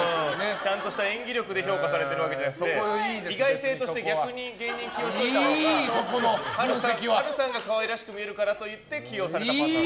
ちゃんとした演技力で評価されてるわけじゃなくて意外性として逆に芸人を起用したほうが波瑠さんが可愛らしく見えるからといって起用されたパターン。